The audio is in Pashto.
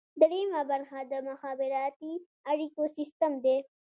دریمه برخه د مخابراتي اړیکو سیستم دی.